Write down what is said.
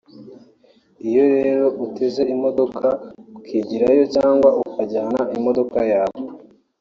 iyo rero uteze imodoka ukigirayo cyangwa ukajyana imodoka yawe